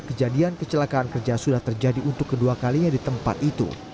kejadian kecelakaan kerja sudah terjadi untuk kedua kalinya di tempat itu